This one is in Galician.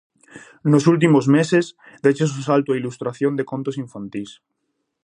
Nos últimos meses, deches o salto á ilustración de contos infantís.